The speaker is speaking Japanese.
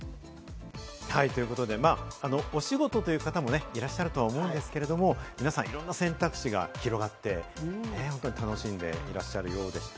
お仕事という方もいらっしゃるとは思うんですけれども、皆さん、いろんな選択肢が広がって楽しんでいらっしゃるようでした。